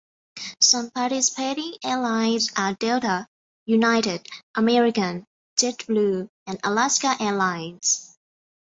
Some participating airlines are Delta, United, American, Jet Blue, and Alaska Airlines.